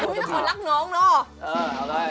มีคนรักน้องเนอะเออเอาเลย